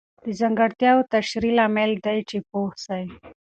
د ځانګړتیاوو تشریح لامل دی چې پوه سئ.